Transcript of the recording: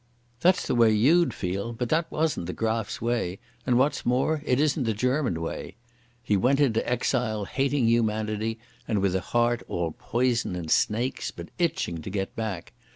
That's the way you'd feel, but that wasn't the Graf's way, and what's more it isn't the German way. He went into exile hating humanity, and with a heart all poison and snakes, but itching to get back.